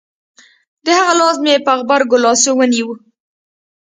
د هغه لاس مې په غبرگو لاسو ونيو.